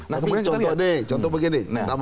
nah kemudian contoh nih contoh begini